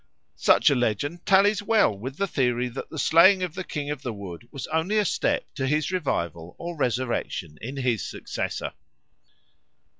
Such a legend tallies well with the theory that the slaying of the King of the Wood was only a step to his revival or resurrection in his successor.